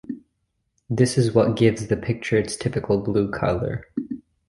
This is what gives the picture its typical blue color.